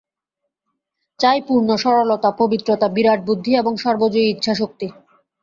চাই পূর্ণ সরলতা, পবিত্রতা, বিরাট বুদ্ধি এবং সর্বজয়ী ইচ্ছাশক্তি।